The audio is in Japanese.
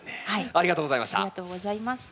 ありがとうございます。